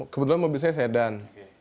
kebetulan mobil saya sedan